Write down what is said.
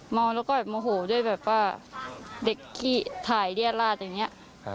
เมาแล้วก็โมโหด้วยแบบว่าเด็กขี้ถ่ายเรียดราดอย่างนี้